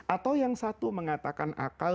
atau yang satu mengatakan akal